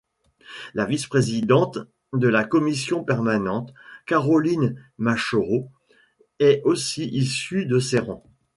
La vice-présidente de la Commission permanente, Caroline Machoro, est aussi issue de ses rangs.